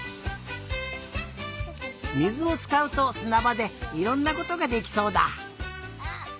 水をつかうとすなばでいろんなことができそうだ。